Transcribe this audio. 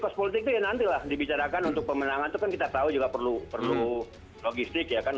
kos politik itu ya nantilah dibicarakan untuk pemenangan itu kan kita tahu juga perlu logistik ya kan